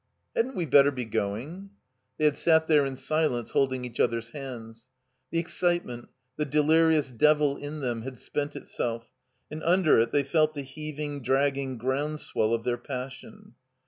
"Hadn't we better be going?" They had sat there in silence, holding each other's hands. The excitement, the delirious devil in them, had spent itself, and imder it they felt the heaving, dragging groundswell of their passion.